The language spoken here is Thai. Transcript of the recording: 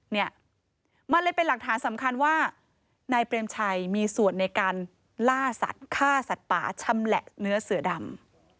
เนี่ยมันเลยเป็นหลักฐานสำคัญว่านายเปรมชัยมีส่วนในการล่าสัตว์ฆ่าสัตว์ป่าชำแหละเนื้อเสือดำ